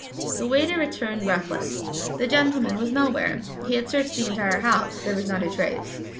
The waiter returned breathless. The gentleman was nowhere. He had searched the entire house; there was not a trace.